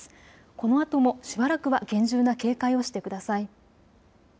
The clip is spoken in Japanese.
このあともしばらくは厳重な警戒をしてください。